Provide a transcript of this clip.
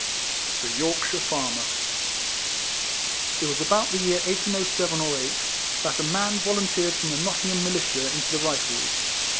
THE YORKSHIRE FARMER. It was about the year 1807 or 8, that a man volunteered from the Nottingham Militia into the Rifles.